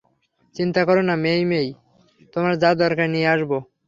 চিন্তা করো না, মেই-মেই, তোমার যা দরকার নিয়ে আসব।